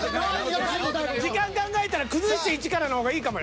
時間考えたら崩して一からの方がいいかもよ。